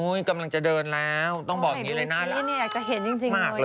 ฮุ้ยกำลังจะเดินแล้วต้องบอกอย่างนี้เลยหน้ารัก